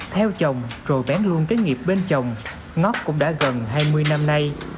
theo chồng rồi bén luôn cái nghiệp bên chồng ngót cũng đã gần hai mươi năm nay